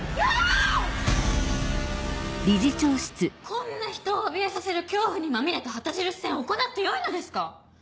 こんな人をおびえさせる恐怖にまみれた旗印戦行ってよいのですか？